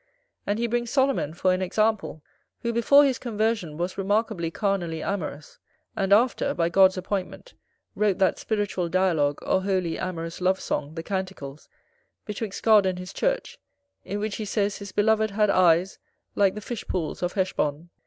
And he brings Solomon for an example, who, before his conversion, was remarkably carnally amorous; and after, by God's appointment, wrote that spiritual dialogue, or holy amorous love song the Canticles, betwixt God and his church: in which he says, "his beloved had eyes like the fish pools of Heshbon".